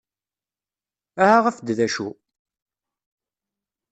Aha af-d d acu!